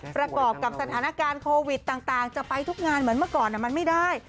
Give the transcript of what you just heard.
ประกอบกับสถานการณ์โควิดต่างจะไปทุกงานเหมือนเมื่อก่อนมันไม่ได้